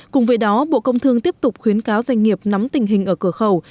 cùng với đó bộ công thương tiếp tục khuyến cáo doanh nghiệp nắm tình hình ở cửa khẩu